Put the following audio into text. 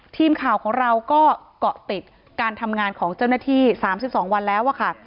ทีมข่าวของเราก็เกาะติดการทำงานของเจ้าหน้าที่๓๒วันแล้วค่ะ